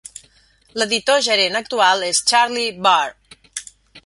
L'editor gerent actual és Charlie Bahr.